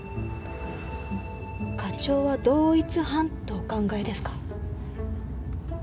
課長は同一犯とお考えですか？